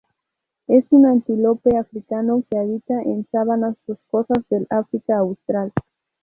Es un antílope africano que habita en sabanas boscosas del África austral.